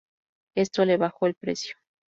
Esto le bajó el precio.